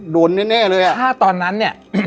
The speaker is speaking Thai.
โดนแน่เลยอ่ะถ้าตอนนั้นเนี่ย